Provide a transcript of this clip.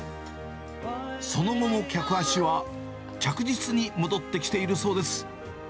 その後も客足は着実に戻ってきているそうです。